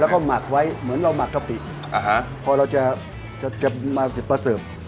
แล้วก็หมักไว้เหมือนเราหมักกะปิพอเราจะมาประสบ